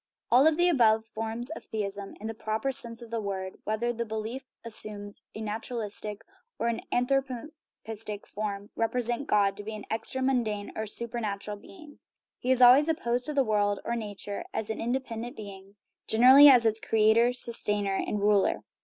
All the above forms of theism, in the proper sense of the word whether the belief assumes a naturalistic or an anthropistic form represent God to be an extra mundane or a supernatural being. He is always op posed to the world, or nature, as an independent being ; generally as its creator, sustainer, and ruler.